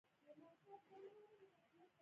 زردالو د افغانستان د ښاري پراختیا سبب کېږي.